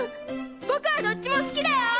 ぼくはどっちもすきだよ！